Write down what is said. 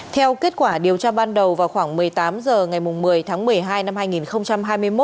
theo kết quả điều tra ban đầu vào khoảng một mươi tám h ngày một mươi tháng một mươi hai năm hai nghìn hai mươi một